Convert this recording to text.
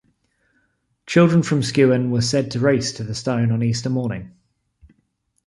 Children from Skewen were said to race to the stone on Easter morning.